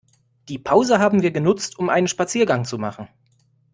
Die Pause haben wir genutzt, um einen Spaziergang zu machen.